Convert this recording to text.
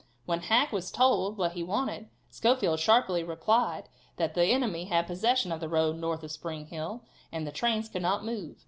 When Hack had told what he wanted, Schofield sharply replied that the enemy had possession of the road north of Spring Hill, and the trains could not move.